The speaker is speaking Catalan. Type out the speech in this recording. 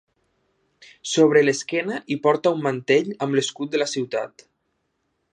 Sobre l’esquena hi porta un mantell amb l’escut de la ciutat.